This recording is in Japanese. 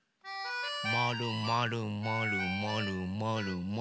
まるまるまるまるまるまる。